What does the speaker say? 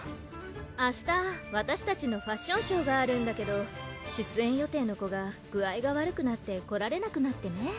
明日わたしたちのファッションショーがあるんだけど出演予定の子が具合が悪くなって来られなくなってね